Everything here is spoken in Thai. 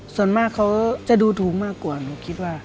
ส่วนมากเขาจะดูถูกมากกว่าหนูคิดว่า